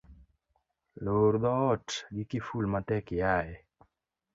Loor dhoot gi kiful matek iaye